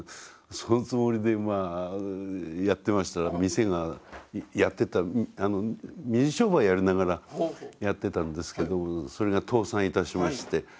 そのつもりでまあやってましたら店がやってた水商売やりながらやってたんですけどそれが倒産いたしまして。